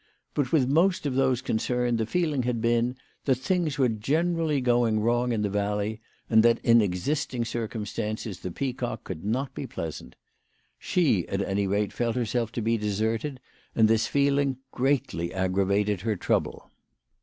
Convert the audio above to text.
But with most of those concerned the feeling had been that things were gene rally going wrong in the valley, and that in existing circumstances the Peacock could not be pleasant. She at any rate felt herself to be deserted, and this feeling greatly aggravated her trouble.